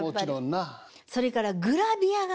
それからグラビアが。